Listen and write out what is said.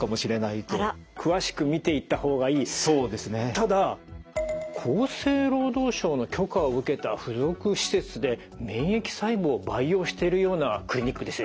ただ厚生労働省の許可を受けた付属施設で免疫細胞を培養してるようなクリニックですよ。